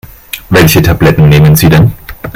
Welche Tabletten nehmen Sie denn?